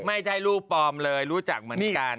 ไม่ใช่รูปปลอมเลยรู้จักเหมือนกัน